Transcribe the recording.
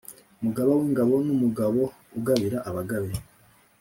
Mugaba w'ingabo w'umugabo ugabira abagabe